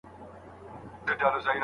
میخوب کسان د برسونو میکروبونه شریکوي.